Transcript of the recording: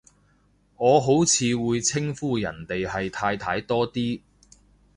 我好似會稱呼人哋係太太多啲